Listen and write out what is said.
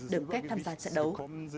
được phép tham gia trận đấu